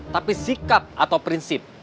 tapi sikap atau prinsip